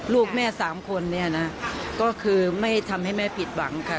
ลูกแม่สามคนเนี่ยนะก็คือไม่ทำให้แม่ผิดหวังค่ะ